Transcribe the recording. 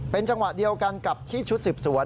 เป็นจังหวะเดียวกันกับที่ชุดสืบสวน